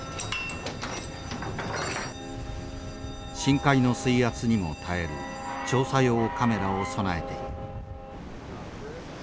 深海の水圧にも耐える調査用カメラを備えている。